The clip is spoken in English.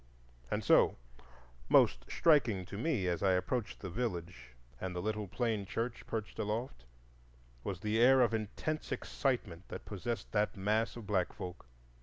And so most striking to me, as I approached the village and the little plain church perched aloft, was the air of intense excitement that possessed that mass of black folk.